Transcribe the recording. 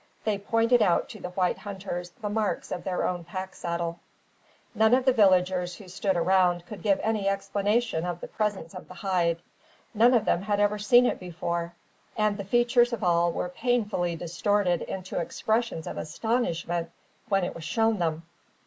They pointed out to the white hunters the marks of their own pack saddle. None of the villagers who stood around could give any explanation of the presence of the hide. None of them had ever seen it before; and the features of all were painfully distorted into expressions of astonishment when it was shown them.